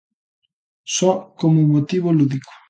Só como motivo lúdico.